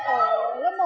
ở lớp một